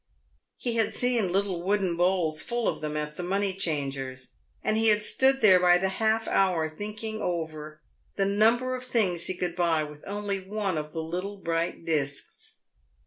He had seen little wooden bowls full of them ab the money changers', and he had stood there by the half hour thinking over the number of things he could buy with only one of the little bright discs.